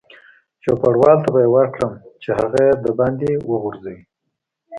چوپړوال ته به یې ورکړم چې هغه یې دباندې وغورځوي.